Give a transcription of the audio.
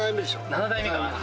７代目か。